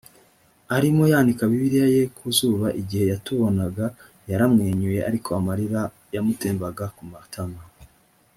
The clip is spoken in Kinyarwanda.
arimo yanika bibiliya ye ku zuba igihe yatubonaga yaramwenyuye ariko amarira yamutembaga ku matama